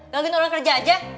gaguin orang kerja aja